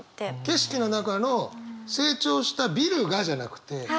景色の中の成長したビルがじゃなくて